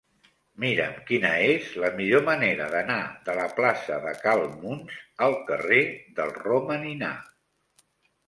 Mira'm quina és la millor manera d'anar de la plaça de Cal Muns al carrer del Romaninar.